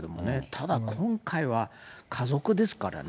ただ、今回は家族ですからね。